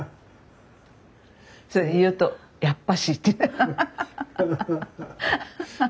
それ言うと「やっぱし」って。